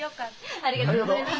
ありがとうございます。